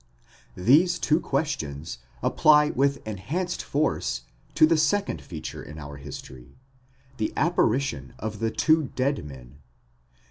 —These two questions apply with enhanced force to the second feature in our history, the apparition of the two dead men.